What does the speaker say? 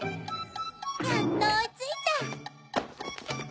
やっとおいついた！